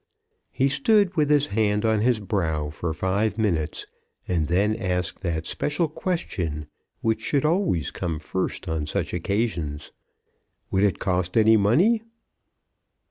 He stood with his hand on his brow for five minutes, and then asked that special question which should always come first on such occasions. Would it cost any money?